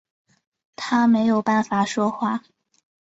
他没有办法说话